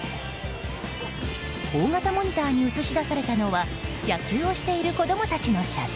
大型モニターに映し出されたのは野球をしている子供たちの写真。